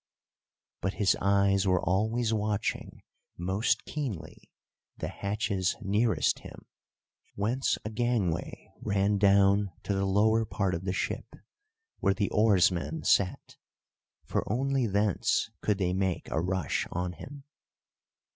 But his eyes were always watching most keenly the hatches nearest him, whence a gangway ran down to the lower part of the ship, where the oarsmen sat; for only thence could they make a rush on him.